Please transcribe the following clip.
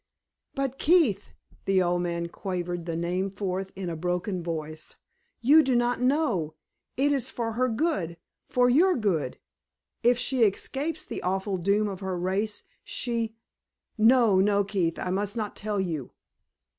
"But Keith" the old man quavered the name forth in a broken voice "you do not know. It is for her good for your good. If she escapes the awful doom of her race, she No, no, Keith; I must not tell you."